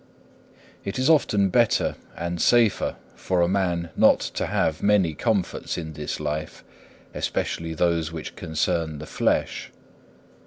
It is often better and safer for a man not to have many comforts in this life, especially those which concern the flesh.